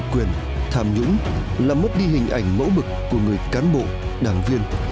chạy quyền tham nhũng là mất đi hình ảnh mẫu bực của người cán bộ đảng viên